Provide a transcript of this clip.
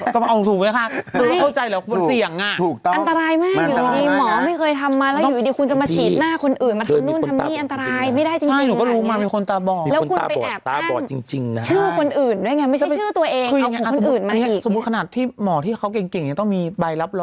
เข้าใจแบบคนที่ทำ